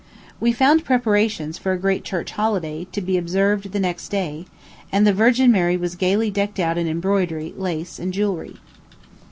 We found preparations for a great church holiday, to be observed the next day; and the Virgin Mary was gayly decked out in embroidery, lace, and jewelry.